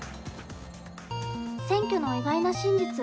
選挙の意外な真実。